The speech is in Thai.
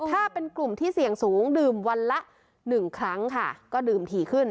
ถ้าเป็นกลุ่มที่เสี่ยงสูงดื่มวันละ๑ครั้งค่ะก็ดื่มถี่ขึ้น